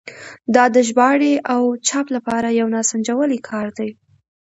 دا د ژباړې او چاپ لپاره یو ناسنجولی کار دی.